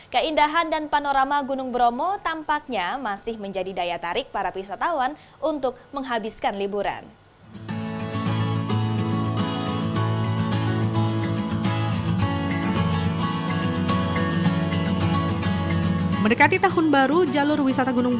keindahan dan panorama gunung bromo tampaknya masih menjadi daya tarik para wisatawan untuk menghabiskan liburan